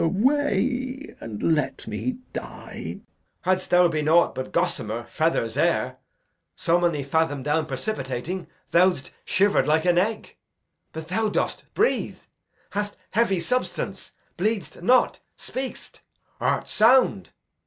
Glou. Away, and let me die. Edg. Hadst thou been aught but gossamer, feathers, air, So many fadom down precipitating, Thou'dst shiver'd like an egg; but thou dost breathe; Hast heavy substance; bleed'st not; speak'st; art sound.